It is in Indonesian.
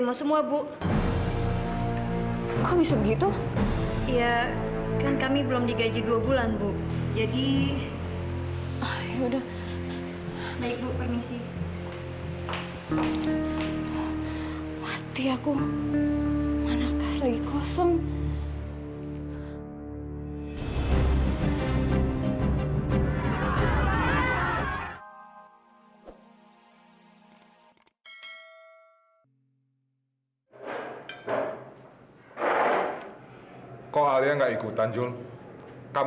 memaafkan alia adalah tindakan yang sangat mulia